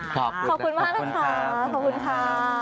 ขอบคุณมากค่ะ